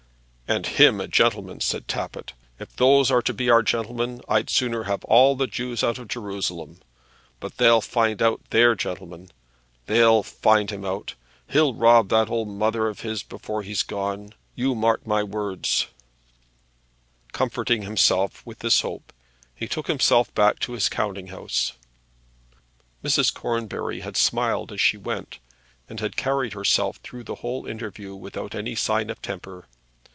"And him a gentleman!" said Tappitt. "If those are to be our gentlemen I'd sooner have all the Jews out of Jerusalem. But they'll find out their gentleman; they'll find him out! He'll rob that old mother of his before he's done; you mark my words else." Comforting himself with this hope he took himself back to his counting house. Mrs. Cornbury had smiled as she went, and had carried herself through the whole interview without any sign of temper.